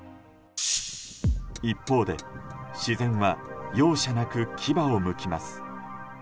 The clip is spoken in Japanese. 一方で自然は容赦なく牙をむきます。